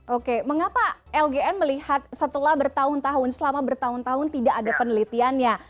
oke mengapa lgn melihat setelah bertahun tahun selama bertahun tahun tidak ada penelitiannya